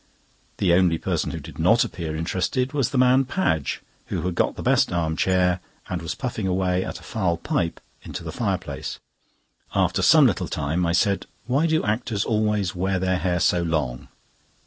The only person who did not appear interested was the man Padge, who had got the best arm chair, and was puffing away at a foul pipe into the fireplace. After some little time I said; "Why do actors always wear their hair so long?"